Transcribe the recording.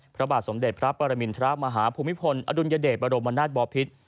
พระบาทสมเด็จพระปรมินทรมาฮภูมิพลอดุลยเดชบรมนาศบอพิษ